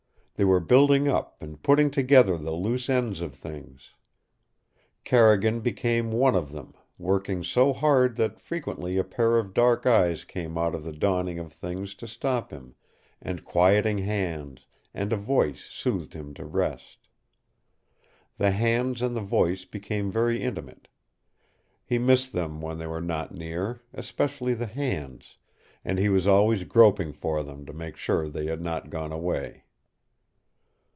They were building up and putting together the loose ends of things. Carrigan became one of them, working so hard that frequently a pair of dark eyes came out of the dawning of things to stop him, and quieting hands and a voice soothed him to rest. The hands and the voice became very intimate. He missed them when they were not near, especially the hands, and he was always groping for them to make sure they had not gone away.